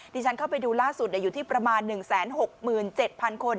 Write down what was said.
ที่ฉันเข้าไปดูล่าสุดอยู่ที่ประมาณ๑๖๗๐๐คน